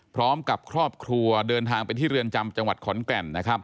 พร้อมกับครอบครัวเดินทางไปที่เรือนจำจังหวัดขอนแก่น